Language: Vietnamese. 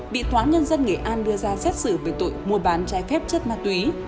bị tòa nhân dân nghệ an đưa ra xét xử về tội mua bán chai phép chất ma túy